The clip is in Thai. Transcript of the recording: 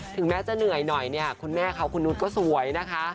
ถึงแม้จะเหนื่อยหน่อยเนี่ยคุณแม่เขาคุณนุษย์ก็สวยนะคะ